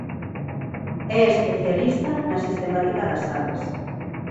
É especialista na sistemática das aves.